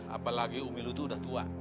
apalagi umilu itu udah tua